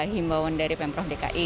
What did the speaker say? himbawan dari pemprov dki